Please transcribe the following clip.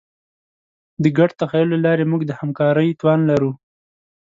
د ګډ تخیل له لارې موږ د همکارۍ توان لرو.